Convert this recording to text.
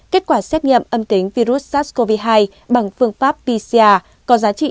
kết quả xét nghiệm âm tính virus sars cov hai bằng phương pháp pcr có giá trị